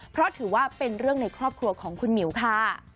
เพราะถือว่าเป็นเรื่องในครอบครัวของคุณหมิวค่ะ